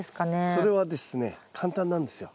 それはですね簡単なんですよ。